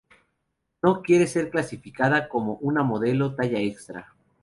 No quiere ser clasificada como una modelo talla extra.